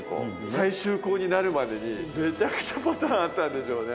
最終稿になるまでにめちゃくちゃパターンあったんでしょうね。